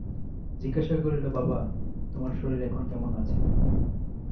জিজ্ঞাসা করিল, বাবা, তোমার শরীর এখন কেমন আছে?